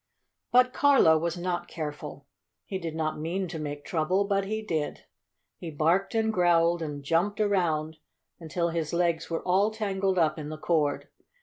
But Carlo was not careful. He did not mean to make trouble, but he did. He barked and growled and jumped around until his legs were all tangled up in the cord.